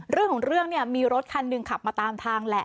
เรื่องของเรื่องเนี่ยมีรถคันหนึ่งขับมาตามทางแหละ